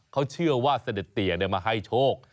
เขาเชื่อว่าเสด็จเตียมาให้โชค